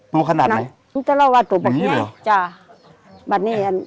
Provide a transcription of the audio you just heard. ตัวขนาดไหนนี่จะเล่าว่าตัวแบบนี้อันนี้หรอจ้าบันนี้อัน